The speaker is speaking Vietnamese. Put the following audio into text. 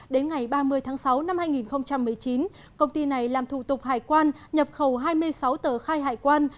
đến ngày ba mươi tháng sáu năm hai nghìn một mươi chín công ty này làm thủ tục hải quan nhập khẩu hai mươi sáu tờ khai hải quan